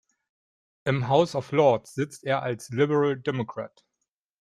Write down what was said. Im House of Lords sitzt er als Liberal Democrat.